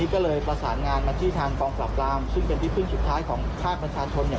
เพราะว่าที่จังหวัดร้อยเอ็ดผมว่าแรงกดดันมันเยอะ